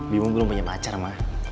bimo belum punya pacar ma